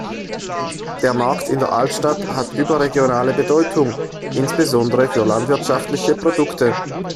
Der Markt in der Altstadt hat überregionale Bedeutung, insbesondere für landwirtschaftliche Produkte.